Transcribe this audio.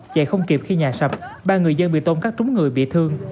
chạy không kịp khi nhà sập ba người dân bị tôn cắt trúng người bị thương